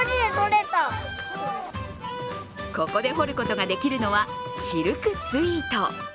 ここで掘ることができるのはシルクスイート。